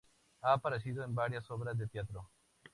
Ha aparecido en varas obras de teatro.